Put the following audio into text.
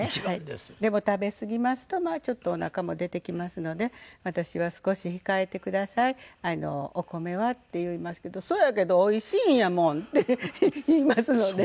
でも食べすぎますとちょっとおなかも出てきますので私は「少し控えてくださいお米は」って言いますけど「そやけどおいしいんやもん」って言いますので。